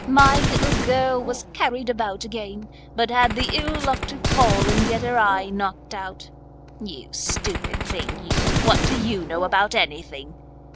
My little girl was carried about again, but had the ill luck to fall and get her eye knocked out. You stupid thing, you, what do you know about anything?